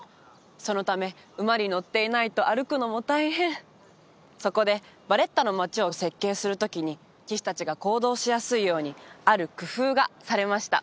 そのため馬に乗っていないと歩くのも大変そこでヴァレッタの街を設計する時に騎士達が行動しやすいようにある工夫がされました